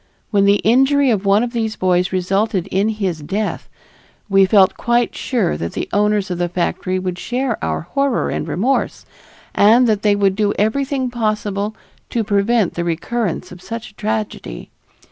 When the injury of one of these boys resulted in his death, we felt quite sure that the owners of the factory would share our horror and remorse, and that they would do everything possible to prevent the recurrence of such a tragedy.